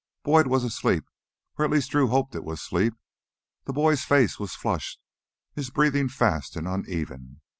Boyd was asleep, or at least Drew hoped it was sleep. The boy's face was flushed, his breathing fast and uneven.